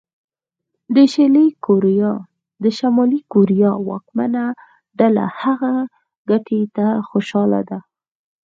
د شلي کوریا واکمنه ډله هغې ګټې ته خوشاله ده.